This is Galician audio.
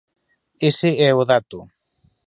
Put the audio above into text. Ese é o dato.